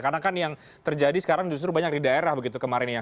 karena kan yang terjadi sekarang justru banyak di daerah begitu kemarin ya